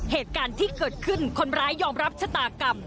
เหตุการณ์ที่เกิดขึ้นคนร้ายยอมรับชะตากรรม